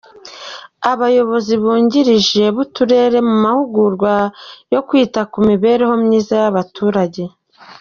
Abayobozi bungirije b’Uturere mu mahugurwa yo kwita ku mibereho myiza y’abaturage